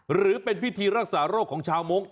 หรือเป็นพิธีรักษาโรคของชาวมงค